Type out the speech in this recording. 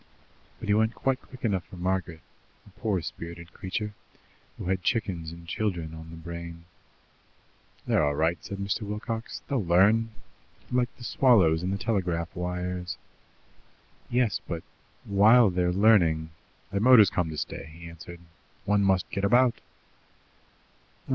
But he went quite quick enough for Margaret, a poor spirited creature, who had chickens and children on the brain. "They're all right," said Mr. Wilcox. "They'll learn like the swallows and the telegraph wires." "Yes, but, while they're learning " "The motor's come to stay," he answered. "One must get about.